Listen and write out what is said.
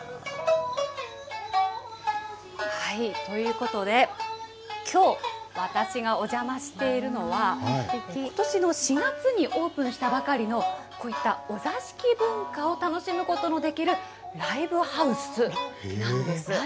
ということで、きょう、私がお邪魔しているのは、ことしの４月にオープンしたばかりの、こういったお座敷文化を楽しむことのできる、ライブハウスなんです。